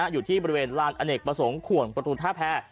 อยู่ที่บริเวณรางอเนกประสงขวรประตูธพแห้